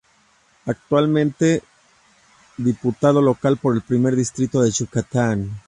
Actualmente diputado local por el primer distrito de Yucatán.